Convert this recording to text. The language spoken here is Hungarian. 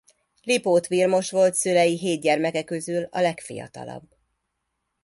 Lipót Vilmos volt szülei hét gyermeke közül a legfiatalabb.